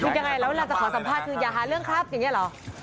ยังไงแล้วเวลาจะขอสัมภาษณ์คืออย่าหาเรื่องครับอย่างนี้เหรอ